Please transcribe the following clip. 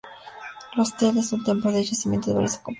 Los tell es un ejemplo de yacimiento de varias ocupaciones.